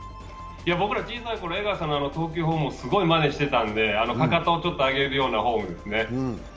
僕ら小さい頃、江川さんの投球フォームをすごいまねしてかかとをちょっと上げるようなフォームですね。